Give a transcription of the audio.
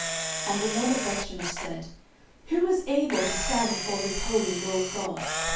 09:006:020 And the men of Bethshemesh said, Who is able to stand before this holy LORD God?